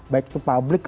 baik itu publik